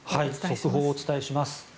速報をお伝えします。